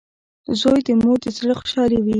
• زوی د مور د زړۀ خوشحالي وي.